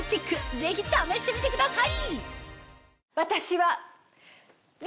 ぜひ試してみてください